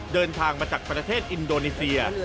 เดินทางมาจากประเทศอินโดนีเซีย